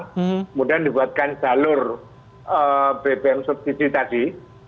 kemudian dibuatkan jalur bbm subsidi tadi